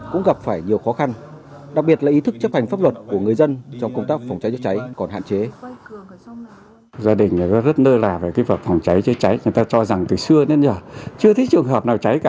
cũng gặp phải nhiều khó khăn đặc biệt là ý thức chấp hành pháp luật của người dân